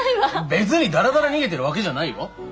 別にダラダラ逃げてるわけじゃないよ。